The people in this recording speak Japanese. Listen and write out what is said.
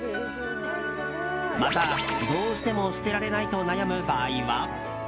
また、どうしても捨てられないと悩む場合は。